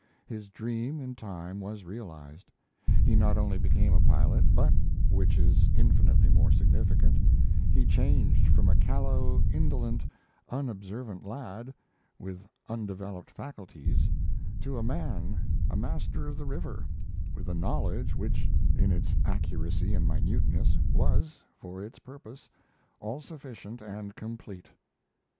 His dream, in time, was realized; he not only became a pilot, but which is infinitely more significant he changed from a callow, indolent, unobservant lad, with undeveloped faculties, to a man, a master of the river, with a knowledge which, in its accuracy and minuteness, was, for its purpose, all sufficient and complete.